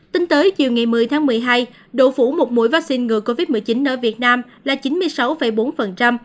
tính tới chiều ngày một mươi tháng một mươi hai độ phủ một mũi vaccine ngừa covid một mươi chín ở việt nam là chín mươi sáu bốn